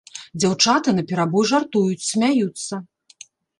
Дзяўчаты наперабой жартуюць, смяюцца.